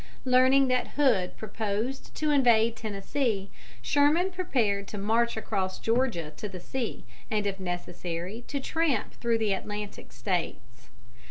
Learning that Hood proposed to invade Tennessee, Sherman prepared to march across Georgia to the sea, and if necessary to tramp through the Atlantic States.